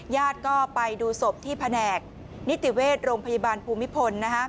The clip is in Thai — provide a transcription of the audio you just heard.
ญาติก็ไปดูศพที่แผนกนิติเวชโรงพยาบาลภูมิพล